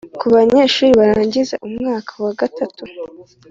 Ku banyeshuri barangiza umwaka wa gatatu